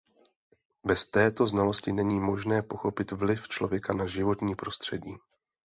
Bez této znalosti není možné pochopit vliv člověka na životní prostředí.